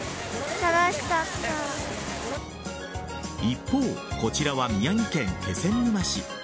一方、こちらは宮城県気仙沼市。